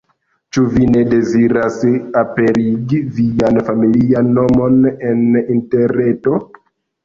Ĉu vi ne deziras aperigi vian familian nomon en Interreto?